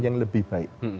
yang lebih baik